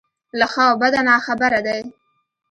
له ښه او بده ناخبره دی.